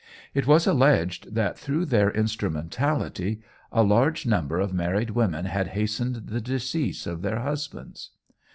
It was alleged that through their instrumentality a large number of married women had hastened the decease of their husbands.